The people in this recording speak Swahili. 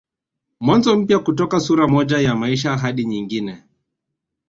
Mwanzo mpya kutoka sura moja ya maisha hadi nyingine